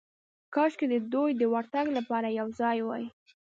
کاشکې د دوی د ورتګ لپاره یو ځای وای.